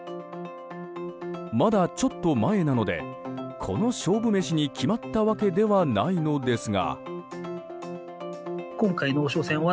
まだちょっと前なのでこの勝負メシに決まったわけではないのですが。